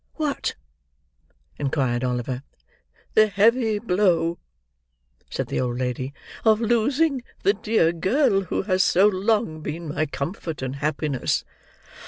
"What?" inquired Oliver. "The heavy blow," said the old lady, "of losing the dear girl who has so long been my comfort and happiness."